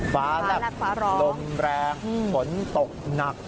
ฟ้าแลบลมแรงหมนตกหนัก